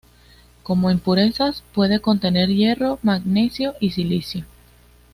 Como impurezas puede contener hierro, magnesio y silicio.